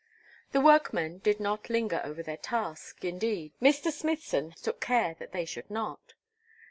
The workmen did not linger over their task, indeed, Mr. Smithson took care that they should not.